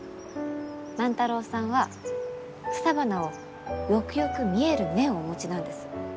万太郎さんは草花をよくよく見える目をお持ちなんです。